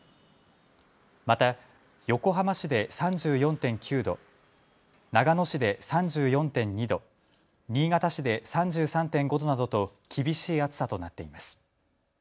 また横浜市で３４．９度、長野市で３４．２度、新潟市で３３．５度などと厳しい暑さとなっています。